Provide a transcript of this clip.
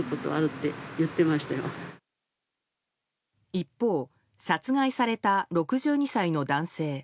一方、殺害された６２歳の男性。